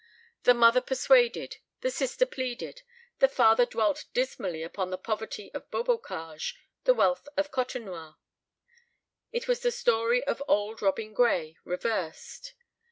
The mother persuaded, the sister pleaded, the father dwelt dismally upon the poverty of Beaubocage, the wealth of Côtenoir. It was the story of auld Robin Gray reversed.